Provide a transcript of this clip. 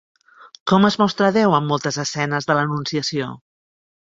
Com es mostra Déu en moltes escenes de l'Anunciació?